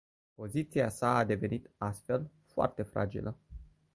Poziția sa a devenit, astfel, foarte fragilă.